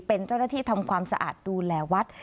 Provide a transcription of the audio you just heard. เป็นเจ้าหน้าที่ทำความสะอาดดูแลวัด